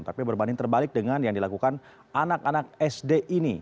tapi berbanding terbalik dengan yang dilakukan anak anak sd ini